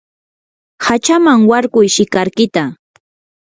hachaman warkuy shikarkita.